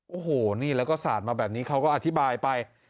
โอ้โหนี่แล้วก็สาดมาแบบนี้เขาก็อธิบายไป